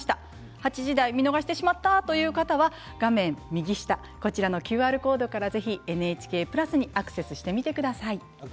８時台、見逃してしまったという方は画面右下ＱＲコードからぜひＮＨＫプラスにアクセスしてみてください。